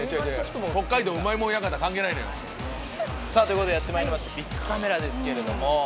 北海道うまいもの館関係ないのよ。ということでやって参りましたビックカメラですけれども。